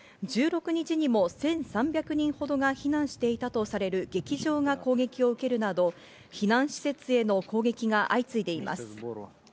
１６日も１３００人ほどが避難していたとされる劇場が攻撃を受けるなど避難施設への攻撃が相次いでいます。